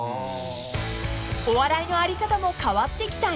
［お笑いの在り方も変わってきた